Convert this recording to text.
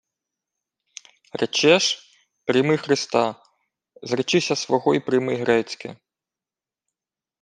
— Речеш, прийми Христа. Зречися свого й прийми грецьке.